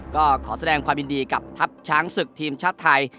ก็ขอแสดงความยินดีกับทัพช้างศึกทีมชาติไทย